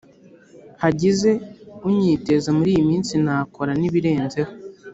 Hagize unyiteza muri yiminsi nakora nibirenzeho